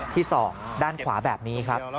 ศอกด้านขวาแบบนี้ครับ